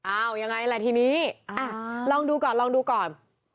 ยังไงล่ะทีนี้ลองดูก่อนลองดูก่อน